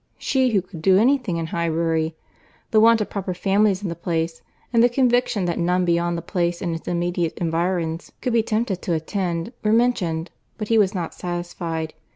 —She who could do any thing in Highbury! The want of proper families in the place, and the conviction that none beyond the place and its immediate environs could be tempted to attend, were mentioned; but he was not satisfied.